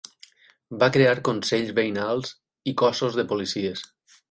Va crear consells veïnals i cossos de policies.